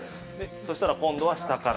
そしたら今度は下から。